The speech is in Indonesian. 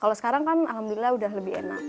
kalau sekarang kan alhamdulillah udah lebih enak